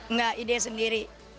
nggak ide sendiri